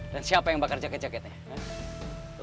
dan siapa yang bakar jaket jaketnya